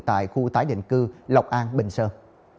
tại khu tái định cư lộc an bình sơn